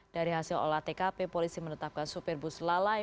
dari hasil olah tkp polisi menetapkan sopir bus lalai